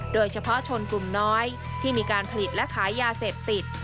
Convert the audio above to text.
โดยเฉพาะชนกลุ่มน้อยที่มีการผลิตและขายยาเสพติด